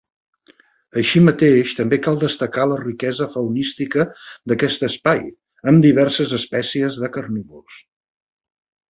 Així mateix també cal destacar la riquesa faunística d'aquest espai, amb diverses espècies de carnívors.